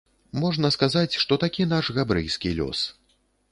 Можна сказаць, што такі наш габрэйскі лёс.